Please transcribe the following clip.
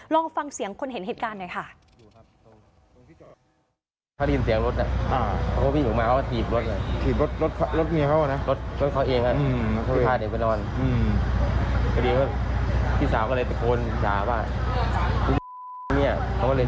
ลองฟังเสียงคนเห็นเหตุการณ์หน่อยค่ะ